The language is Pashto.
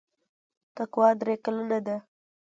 تقوا درې کلنه ده.